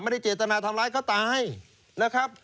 ไม่ได้เจตนาทำร้ายเขาตายนะครับ